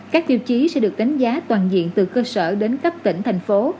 các tiêu chí sẽ được đánh giá toàn diện từ cơ sở đến cấp tỉnh thành phố